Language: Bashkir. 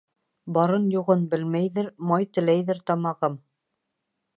Барын-юғын белмәйҙер, май теләйҙер тамағым.